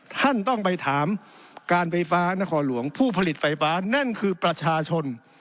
ท่านต้องไปถามการไฟฟ้านครหลวงผู้ผลิตไฟฟ้านั่นคือประชาชน